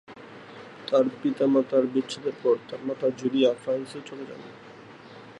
তার পিতা মাতার বিচ্ছেদের পর তার মাতা জুলিয়া ফ্রান্সে চলে যান।